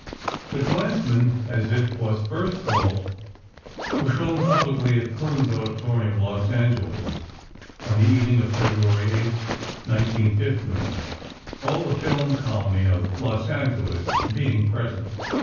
"The Clansman," as if was first called, was shown publicly at Clune's Auditorium, Los Angeles, on the evening of February 8, 1915, all the film colony of Los Angeles being present.